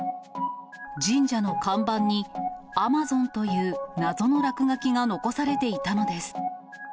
神社の看板に、Ａｍａｚｏｎという謎の落書きが残されていたのです。